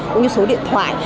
cũng như số điện thoại